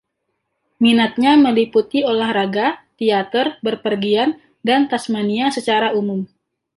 Minatnya meliputi olahraga, teater, bepergian, dan Tasmania secara umum.